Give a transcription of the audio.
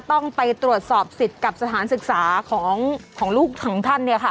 ต้องไปตรวจสอบสิทธิ์กับสถานศึกษาของลูกของท่าน